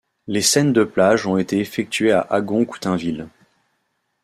Les scènes de plage ont été effectuées à Agon-Coutainville.